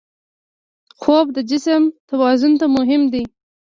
خوب د جسم توازن ته مهم دی